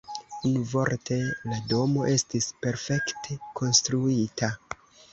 Unuvorte la domo estis perfekte konstruita.